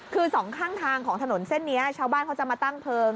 คือสองข้างทางของถนนเส้นนี้ชาวบ้านเขาจะมาตั้งเพลิง